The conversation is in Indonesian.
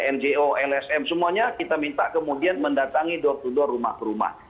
ngo lsm semuanya kita minta kemudian mendatangi dua puluh dua rumah ke rumah